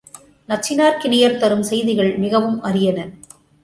நச்சினார்க்கினியர் தரும் செய்திகள் மிகவும் அரியன.